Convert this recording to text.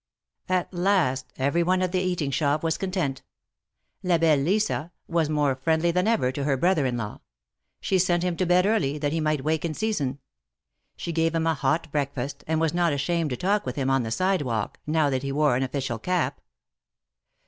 At last every one at the eating shop was content. La belle Lisa was more friendly than ever to her brother in law. She sent him to bed early, that he might wake in season. She gave him a hot breakfast, and was not ashamed to talk with him on the sidewalk, now that he wore an official cap.